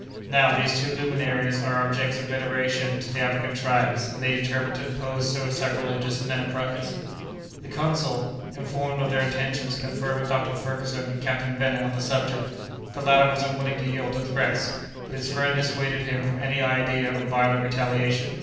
Now, these two luminaries are objects of veneration to the African tribes, and they determined to oppose so sacrilegious an enterprise. The consul, informed of their intentions, conferred with Dr. Ferguson and Captain Bennet on the subject. The latter was unwilling to yield to threats, but his friend dissuaded him from any idea of violent retaliation.